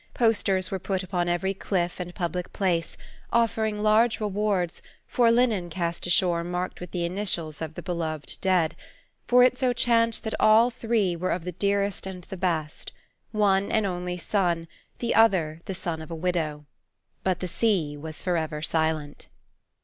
Posters were put upon every cliff and public place, offering large rewards "for linen cast ashore marked with the initials of the beloved dead; for it so chanced that all the three were of the dearest and the best: one, an only son; the other, the son of a widow"; but the sea was forever silent.